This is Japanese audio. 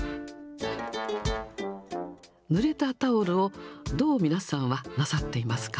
ぬれたタオルを、どう皆さんはなさっていますか。